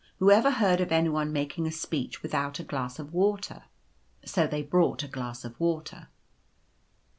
Who ever heard of any one making a speech without a glass of water !'" So they brought a glass of water.